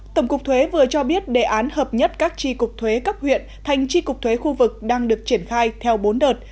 tổng cục thuế vừa cho biết đề án hợp nhất các tri cục thuế cấp huyện thành tri cục thuế khu vực đang được triển khai theo bốn đợt